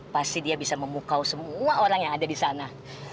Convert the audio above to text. pasti dia bisa memukau semua orang yang ada di sana